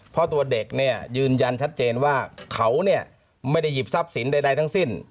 เพราะตัวเด็กเนี่ยยืนยันชัดเจนว่าเขาเนี่ยไม่ได้หยิบทรัพย์สินใดทั้งสิ้น